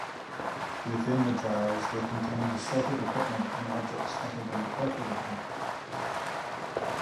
Within the jars were contained assorted equipment and objects that had been carefully packed.